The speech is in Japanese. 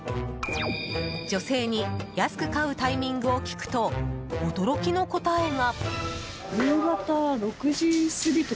女性に安く買うタイミングを聞くと、驚きの答えが。